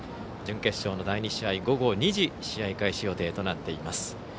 準決勝の第２試合午後２時試合開始予定となっています。